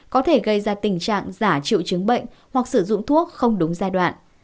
có thể gây ra tình trạng giả triệu chứng bệnh hoặc sử dụng thuốc không đúng giai đoạn